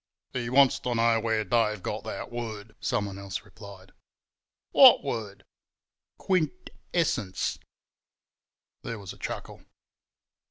"He wants to know where Dave got that word," someone else replied. "What word?" "Quint essents." There was a chuckle.